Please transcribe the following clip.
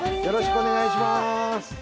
よろしくお願いします。